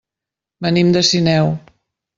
Venim de Sineu.